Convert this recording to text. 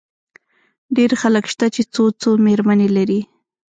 ډېر خلک شته، چي څو څو مېرمنې لري.